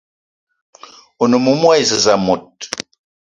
One moumoua e zez mot